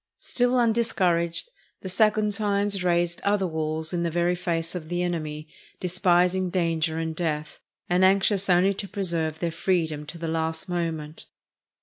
Still undiscouraged, the Saguntines raised other walls in the very face of the enemy, despising danger and death, and anxious only to preserve their freedom to the last moment.